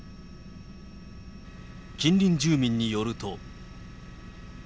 近隣住民によると。